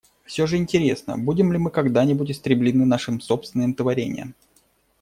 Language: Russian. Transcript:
Всё же интересно, будем ли мы когда-нибудь истреблены нашим собственным творением.